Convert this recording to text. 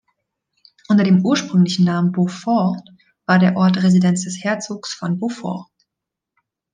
Unter dem ursprünglichen Namen Beaufort war der Ort Residenz des Herzogs von Beaufort.